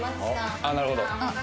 ああなるほど。